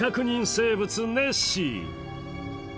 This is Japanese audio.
生物、ネッシー。